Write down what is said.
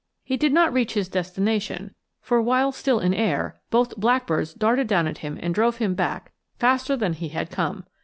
He did not reach his destination, for while still in air both blackbirds darted down at him and drove him back faster than he had come.